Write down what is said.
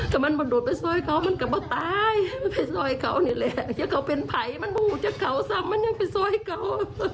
ถ้ามันมาดูดไปซ่อยเขามันกลับมาตายไปซ่อยเขานี่แหละถ้าเขาเป็นไผ่มันหูจากเขาซ้ำมันยังไปซ่อยเขา